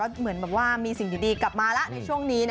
เหมือนแบบว่ามีสิ่งดีกลับมาแล้วในช่วงนี้